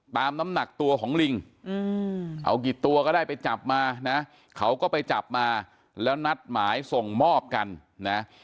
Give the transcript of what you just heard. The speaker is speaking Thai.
น้ำหนักตัวของลิงเอากี่ตัวก็ได้ไปจับมานะเขาก็ไปจับมาแล้วนัดหมายส่งมอบกันนะ